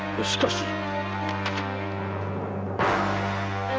ししかし。